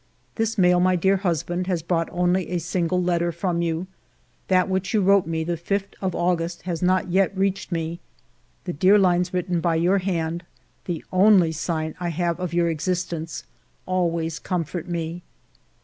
"This mail, my dear husband, has brought only a single letter from you ; that which you wrote ALFRED DREYFUS 189 me the 5th of August has not reached me. The dear Hnes written by your hand, the only sign I have of your existence, always comfort me."